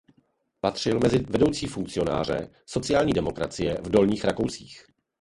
Patřil mezi vedoucí funkcionáře sociální demokracie v Dolních Rakousích.